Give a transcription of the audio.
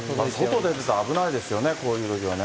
外出ていると危ないですよね、こういうときはね。